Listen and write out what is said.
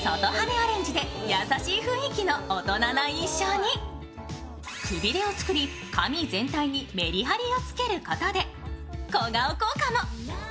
アレンジで優しい雰囲気の大人な印象にくびれを作り、髪全体にメリハリをつけることで、小顔効果も。